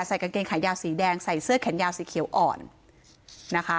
กางเกงขายาวสีแดงใส่เสื้อแขนยาวสีเขียวอ่อนนะคะ